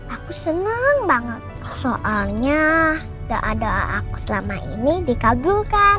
aku seneng banget soalnya doa doa aku selama ini dikabulkan